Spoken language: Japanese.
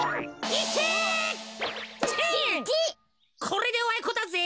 これでおあいこだぜ。